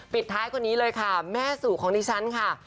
ปิดท้ายคนนี้เลยค่ะแม่สู่ของดิฉันค่ะ